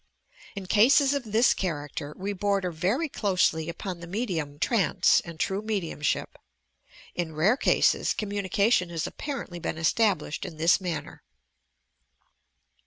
In cases of this character we border very closely upon the medium trance and true mediumship. In rare cases, communication has apparently been established in this manner.